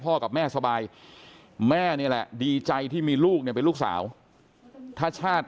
กับแม่สบายแม่นี่แหละดีใจที่มีลูกเนี่ยเป็นลูกสาวถ้าชาติ